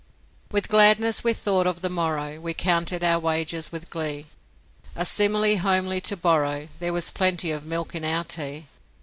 With gladness we thought of the morrow, We counted our wagers with glee, A simile homely to borrow 'There was plenty of milk in our tea.'